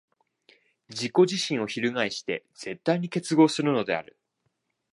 自己自身を翻して絶対に結合するのである。